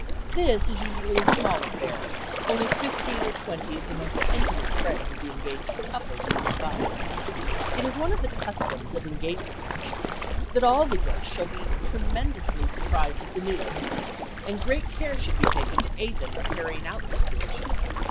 This is usually a small affair, only fifteen or twenty of the most intimate friends of the engaged "couple" being invited. It is one of the customs of engagement luncheons that all the guests shall be tremendously surprised at the news, and great care should be taken to aid them in carrying out this tradition.